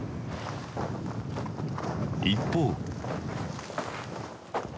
一方。